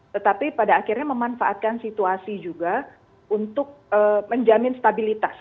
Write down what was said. tetapi pada akhirnya memanfaatkan situasi juga untuk menjamin stabilitas